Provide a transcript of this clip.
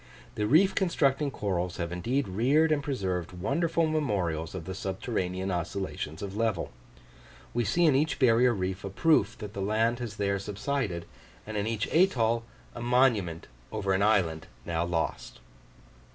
The reef constructing corals have indeed reared and preserved wonderful memorials of the subterranean oscillations of level; we see in each barrier reef a proof that the land has there subsided, and in each atoll a monument over an island now lost.